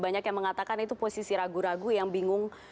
banyak yang mengatakan itu posisi ragu ragu yang bingung